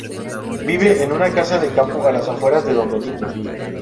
Vive en una casa de campo a las afueras de Don Benito.